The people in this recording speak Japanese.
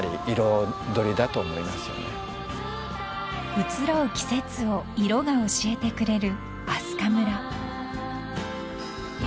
［うつろう季節を色が教えてくれる明日香村］